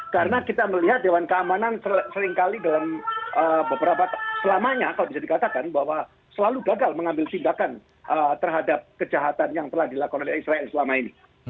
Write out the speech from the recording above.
karena kita melihat dewan keamanan seringkali dalam beberapa selamanya kalau bisa dikatakan bahwa selalu gagal mengambil tindakan terhadap kejahatan yang telah dilakukan oleh israel selama ini